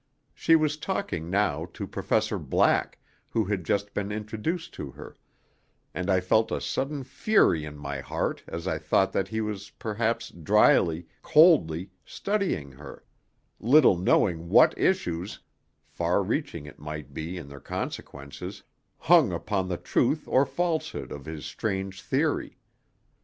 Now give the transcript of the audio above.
She was talking now to Professor Black, who had just been introduced to her; and I felt a sudden fury in my heart as I thought that he was perhaps dryly, coldly, studying her, little knowing what issues far reaching, it might be, in their consequences hung upon the truth or falsehood of his strange theory.